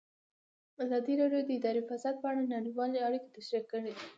ازادي راډیو د اداري فساد په اړه نړیوالې اړیکې تشریح کړي.